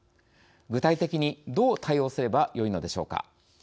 具体的に、どう対応すればよいのでしょうか。